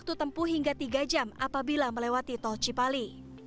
waktu tempuh hingga tiga jam apabila melewati tol cipali